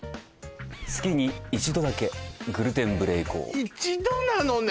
月に一度だけグルテン無礼講一度なのね？